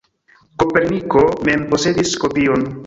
Koperniko mem posedis kopion.